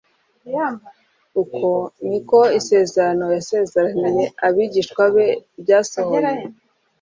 Uko niko isezerano yasezeraniye abigishwa be ryasohoye.